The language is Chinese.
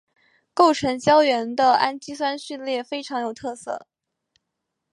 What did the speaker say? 构成胶原的氨基酸序列非常有特色。